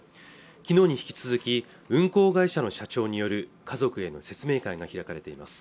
昨日に引き続き運航会社の社長による家族への説明会が開かれています